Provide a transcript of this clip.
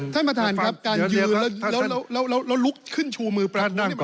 ท่านประธานครับการยืนแล้วลุกขึ้นชูมือปรานุกเนี่ย